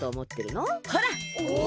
ほら！